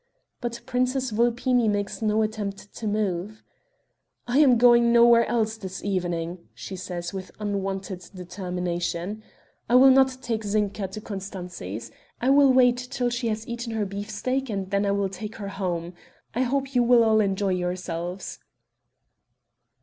But Princess Vulpini makes no attempt to move: "I am going nowhere else this evening," she says with unwonted determination. "I will not take Zinka to Constanzi's. I will wait till she has eaten her beef steak and then I will take her home. I hope you will all enjoy yourselves."